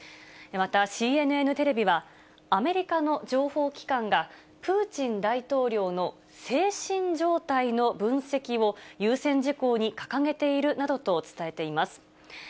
また、ＣＮＮテレビは、アメリカの情報機関がプーチン大統領の精神状態の分析を、優先事項に掲げているなどと伝えています。